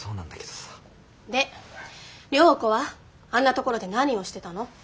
で涼子はあんなところで何をしてたの？